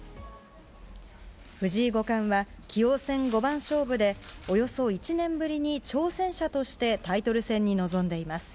藤井五冠は、棋王戦五番勝負で、およそ１年ぶりに挑戦者としてタイトル戦に臨んでいます。